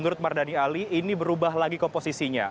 menurut mardani ali ini berubah lagi komposisinya